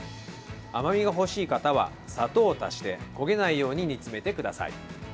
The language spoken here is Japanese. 甘みが欲しい方は砂糖を足して焦げないように煮詰めてください。